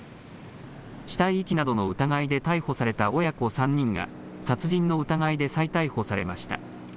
死体遺棄などの疑いで逮捕された親子３人が殺人の疑いで再逮捕されました。